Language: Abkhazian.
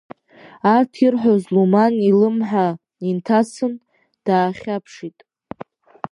Арҭ ирҳәаз Луман илымҳа инҭасын, даахьаԥшит.